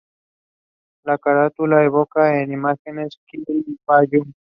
La carátula evoca a imágenes de Quilapayún.